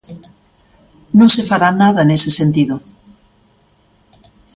Non se fará nada nese sentido.